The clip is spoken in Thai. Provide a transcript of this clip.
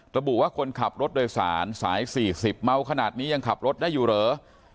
ระบุว่าคนขับรถโดยสารสาย๔๐เมาขนาดนี้ยังขับรถได้อยู่เหรอ